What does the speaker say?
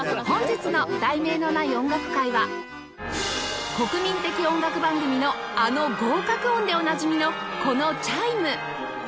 本日の『題名のない音楽会』は国民的音楽番組のあの合格音でおなじみのこのチャイム